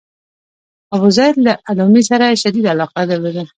ابوزید له ادامې سره شدیده علاقه درلوده.